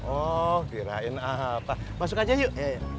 oh kirain apa masuk aja yuk